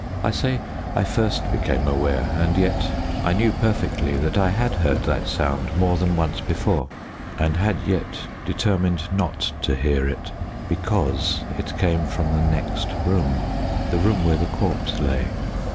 I say I first became aware, and yet I knew perfectly that I had heard that sound more than once before, and had yet determined not to hear it, because it came from the next room the room where the corpse lay.